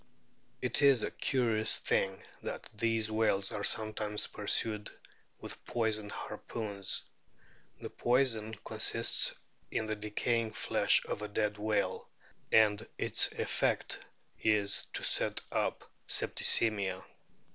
* It is a curious thing that these whales are sometimes pursued with poisoned harpoons ; the poison consists in the decaying flesh of a dead whale, and its effect is to set up septicaemia.